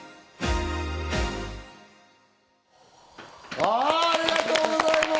ありがとうございます。